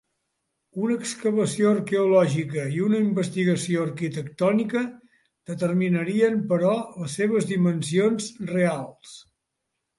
Una excavació arqueològica i una investigació arquitectònica, determinarien, però, les seves dimensions reals.